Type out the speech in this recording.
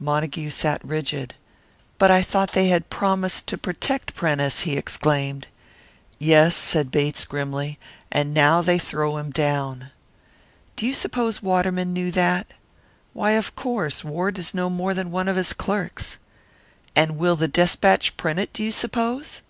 Montague sat rigid. "But I thought they had promised to protect Prentice!" he exclaimed. "Yes," said Bates, grimly; "and now they throw him down." "Do you suppose Waterman knew that?" "Why, of course; Ward is no more than one of his clerks." "And will the Despatch print it, do you suppose?"